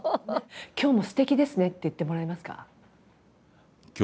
「今日もすてきですね」って言ってもらえますか？